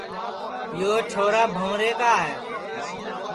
یو چھورا بھنٚورے کا ہے